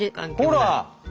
ほら！